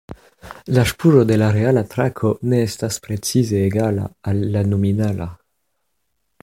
La ŝpuro de la reala trako ne estas precize egala al la nominala.